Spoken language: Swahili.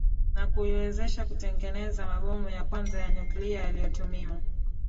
na kuiwezesha kutengeneza mabomu ya kwanza ya nyuklia yaliyotumiwa